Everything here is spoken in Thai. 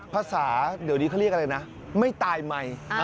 ภาษาเดี๋ยวนี้เขาเรียกอะไรนะไม่ตายไมค์